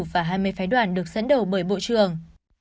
và hai mươi phái đoàn được dẫn đầu bởi bộ trường